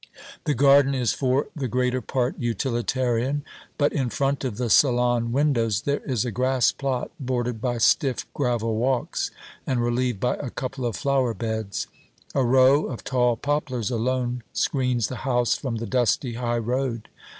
The garden is for the greater part utilitarian; but in front of the salon windows there is a grassplot, bordered by stiff gravel walks, and relieved by a couple of flower beds. A row of tall poplars alone screens the house from the dusty high road.